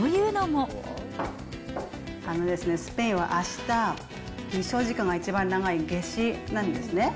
あのですね、スペインはあした、日照時間が一番長い夏至なんですね。